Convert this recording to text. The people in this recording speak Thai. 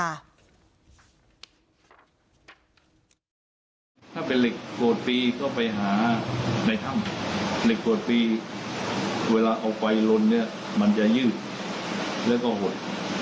ถ้าเป็นเหล็กโกรธปีก็ไปหาในถ้ำเหล็กโกรธปีเวลาเอาไฟลนเนี่ยมันจะยืดแล้วก็หด